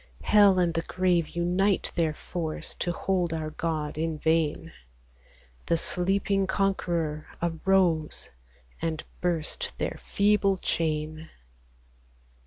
Hell and the grave unite their force To hold our God, in vain • The sleeping Conqueror arose, And burst their feeble chain.